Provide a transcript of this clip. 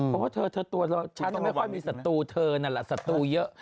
เพราะว่าเธอตัวฉันไม่ค่อยมีศัตรูเธอนั่นแหละศัตรูเยอะ